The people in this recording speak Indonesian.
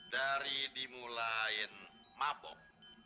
dari dimulain mabok